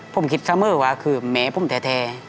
ผมคิดทั้งหมดว่าคือแม่ผมแท้